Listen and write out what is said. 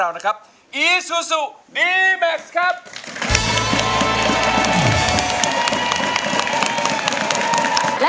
อ้วน